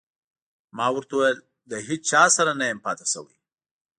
ما ورته وویل: له هیڅ چا سره نه یم پاتې شوی.